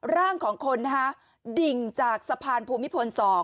ร่างของคนนะคะดิ่งจากสะพานภูมิพล๒